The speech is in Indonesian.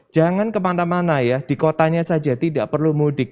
jangan kemana mana ya di kotanya saja tidak perlu mudik